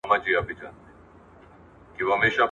میرویس پوه شو چې دا پاچهي له ساده شیانو وېریږي.